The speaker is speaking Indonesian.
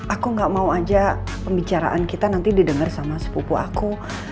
aku gak mau aja pembicaraan kita nanti didengar sama sepupu aku